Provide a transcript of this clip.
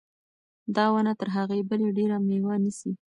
دا ونه تر هغې بلې ډېره مېوه نیسي.